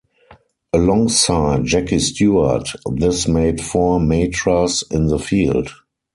Alongside Jackie Stewart, this made four Matras in the field.